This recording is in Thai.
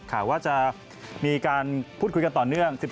ข่าวว่าจะมีการพูดคุยกันต่อเนื่อง